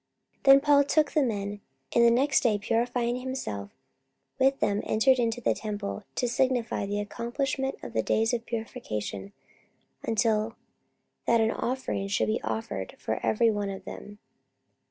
44:021:026 Then Paul took the men, and the next day purifying himself with them entered into the temple, to signify the accomplishment of the days of purification, until that an offering should be offered for every one of them.